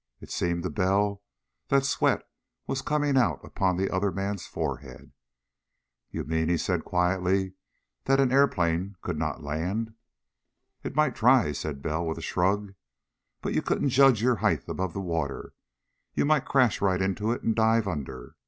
It seemed to Bell that sweat was coming out upon the other man's forehead. "You mean," he said quietly, "that an airplane could not land?" "It might try," said Bell with a shrug. "But you couldn't judge your height above the water. You might crash right into it and dive under.